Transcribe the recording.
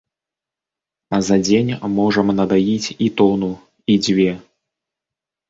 А за дзень можам надаіць і тону, і дзве!